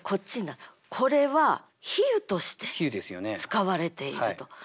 これは比喩として使われていると。